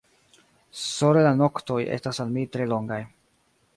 Sole la noktoj estas al mi tre longaj.